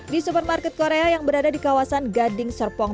di supermarket korea yang berada di kawasan gading serpong